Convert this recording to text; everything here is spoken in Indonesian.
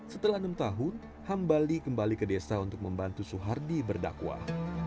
setelah enam tahun hambali kembali ke desa untuk membantu suhardi berdakwah